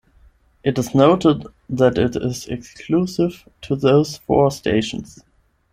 It is noted that it is exclusive to those four stations.